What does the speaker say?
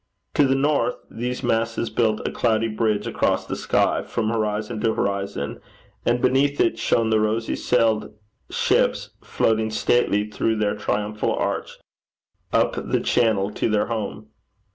To the north, these masses built a cloudy bridge across the sky from horizon to horizon, and beneath it shone the rosy sailed ships floating stately through their triumphal arch up the channel to their home.